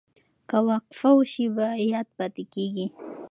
که وقفه وشي یاد پاتې کېږي.